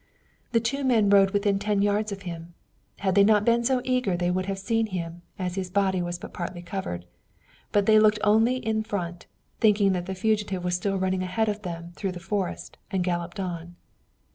The two men rode within ten yards of him. Had they not been so eager they would have seen him, as his body was but partly covered. But they looked only in front, thinking that the fugitive was still running ahead of them through the forest, and galloped on.